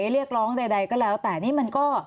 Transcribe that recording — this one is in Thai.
เรียกร้องใดก็แล้วแต่นี่มันก็